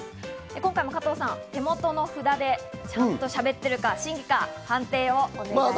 今回も加藤さん、手元の札でちゃんとしゃべってるか、審議か、判定をお願いします。